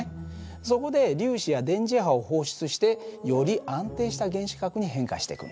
そこで粒子や電磁波を放出してより安定した原子核に変化していくんだ。